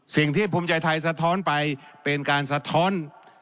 สิ่งที่ภูมิใจไทยสะท้อนไปเป็นการสะท้อน